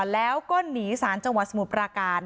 แล้วก็หนีสานจสมุทรปราการ